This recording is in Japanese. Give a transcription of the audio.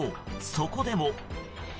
そこでも。